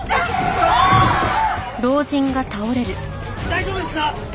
大丈夫ですか！？